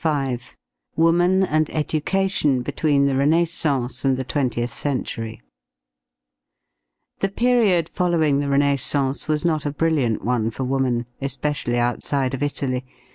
WOMAN AND EDUCATION BETWEEN THE RENAISSANCE AND THE TWENTIETH CENTURY The period following the Renaissance was not a brilliant one for woman, especially outside of Italy.